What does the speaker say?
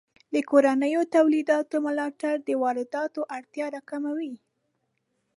د کورنیو تولیداتو ملاتړ د وارداتو اړتیا راکموي.